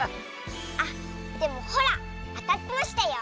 あっでもほらあたってましたよ。